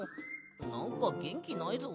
なんかげんきないぞ。